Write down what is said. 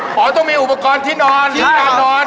บอกต้องมีอุปกรณ์ที่นอนขนาดนอน